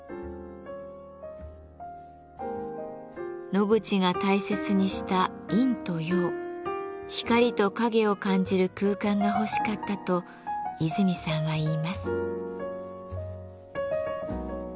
ノグチが大切にした「陰と陽」光と影を感じる空間が欲しかったと和泉さんはいいます。